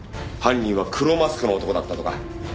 犯人は黒マスクの男だったとか。